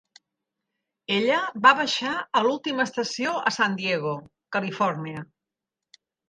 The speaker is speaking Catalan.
Ella va baixar a l"última estació a San Diego, California.